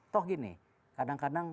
tau gini kadang kadang